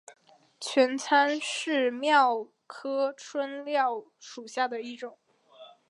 拳参为蓼科春蓼属下的一个种。